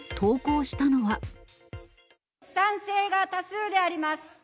賛成が多数であります。